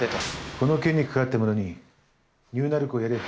この件に関わった者にニューナルコをやれ。